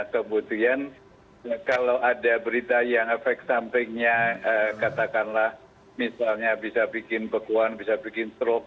kemudian kalau ada berita yang efek sampingnya katakanlah misalnya bisa bikin bekuan bisa bikin stroke